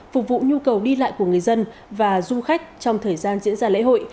phục vụ nhu cầu đi lại của người dân và du khách trong thời gian diễn ra lễ hội